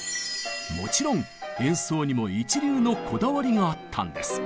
もちろん演奏にも一流のこだわりがあったんです。